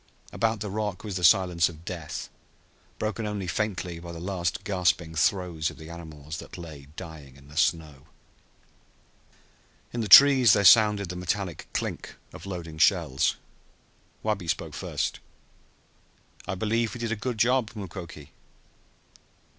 About the rock was the silence of death, broken only faintly by the last gasping throes of the animals that lay dying in the snow. In the trees there sounded the metallic clink of loading shells. Wabi spoke first. "I believe we did a good job, Mukoki!"